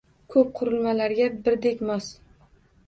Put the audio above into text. Ko’p qurilmalarga birdek mos